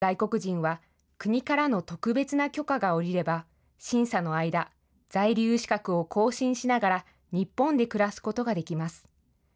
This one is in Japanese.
難民認定を求める外国人は、国からの特別な許可が下りれば、審査の間、在留資格を更新しながら日本で暮らすことができます。